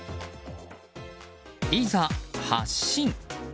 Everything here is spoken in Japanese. いざ発進。